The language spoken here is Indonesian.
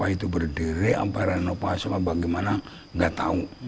itu berdiri apa renovasi apa bagaimana tidak tahu